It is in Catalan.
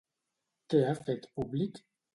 Què ha fet públic?